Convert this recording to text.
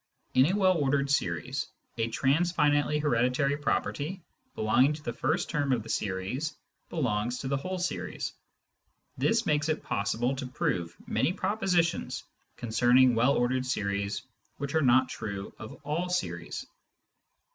In a well ordered series, a transfinitely hereditary property belonging to the first term of the series belongs to the whole series. This makes it possible to prove many propositions concerning well ordered series which are not true of all series.